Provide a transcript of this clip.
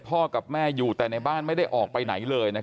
กับแม่อยู่แต่ในบ้านไม่ได้ออกไปไหนเลย